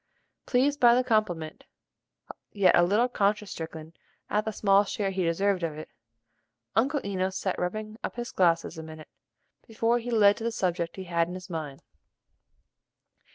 Pleased by the compliment, yet a little conscience stricken at the small share he deserved of it, Uncle Enos sat rubbing up his glasses a minute, before he led to the subject he had in his mind.